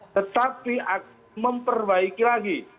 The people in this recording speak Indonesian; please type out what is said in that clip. tetapi memperbaiki lagi